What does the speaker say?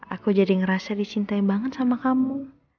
aku jadi ngerasa disintain banget sama kamu